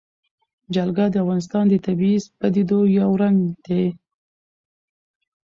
جلګه د افغانستان د طبیعي پدیدو یو رنګ دی.